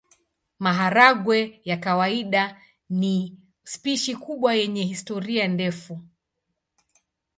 Maharagwe ya kawaida ni spishi kubwa yenye historia ndefu.